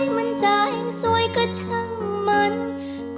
ร้องได้ยกกำลังสาก